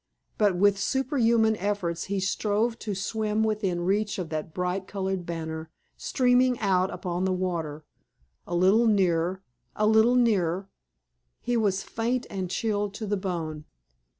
But with superhuman efforts he strove to swim within reach of that bright colored banner streaming out upon the water. A little nearer a little nearer! He was faint and chilled to the bone.